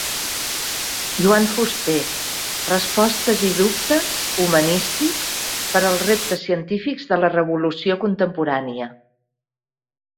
Joan Fuster: respostes i dubtes humanístics per als reptes científics de la revolució contemporània